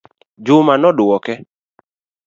Juma nodwoke